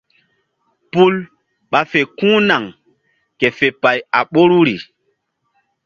Pul ɓa fe ku̧h naŋ ke fe pay a ɓoruri.